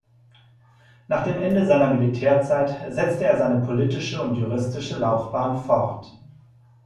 Nach dem Ende seiner Militärzeit setzte er seine politische und juristische Laufbahn fort.